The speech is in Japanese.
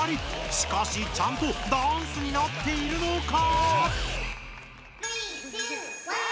しかしちゃんとダンスになっているのか！？